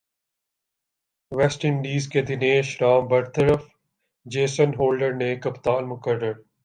waste Indies کے دنیش رام برطرف Jason Holder نئے کپتان مقرر